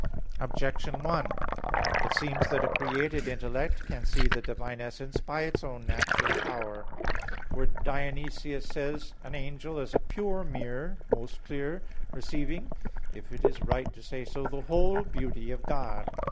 Objection 1: It seems that a created intellect can see the Divine essence by its own natural power. For Dionysius says (Div. Nom. iv): "An angel is a pure mirror, most clear, receiving, if it is right to say so, the whole beauty of God."